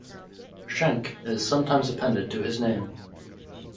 "Schenk" is sometimes appended to his name.